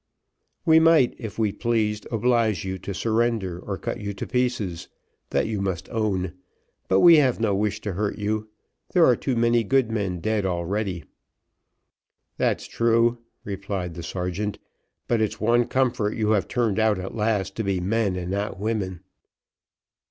"We might, if we pleased, oblige you to surrender or cut you to pieces that you must own; but we have no wish to hurt you there are too many good men dead already." "That's true," replied the sergeant, "but it's one comfort you have turned out at last to be men and not women."